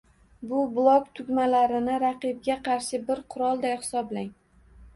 Bu blok tugmalarini raqibga qarshi bir qurolday hisoblang